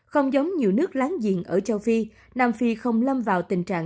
không giống nhiều nước láng giềng ở châu phi nam phi không lâm vào tình trạng